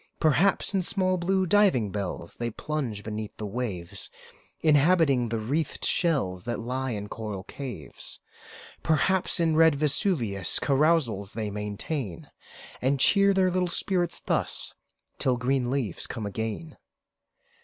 Perhaps, in small, blue diving bells They plunge beneath the waves, Inhabiting the wreathed shells That lie in coral caves. Perhaps, in red Vesuvius Carousals they maintain ; And cheer their little spirits thus, Till green leaves come again.